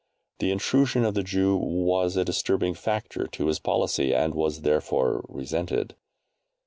The intrusion of the Jew was a disturbing factor to his policy, and was therefore resented.